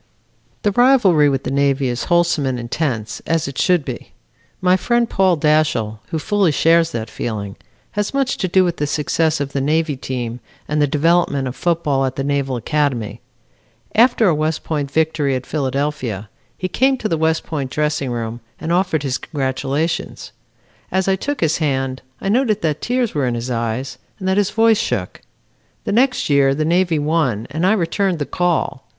"The rivalry with the Navy is wholesome and intense, as it should be. My friend, Paul Dashiell, who fully shares that feeling, has much to do with the success of the Navy team, and the development of football at the Naval Academy. After a West Point victory at Philadelphia, he came to the West Point dressing room and offered his congratulations. As I took his hand, I noted that tears were in his eyes and that his voice shook. The next year the Navy won and I returned the call.